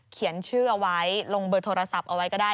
เขียนชื่อเอาไว้ลงเบอร์โทรศัพท์เอาไว้ก็ได้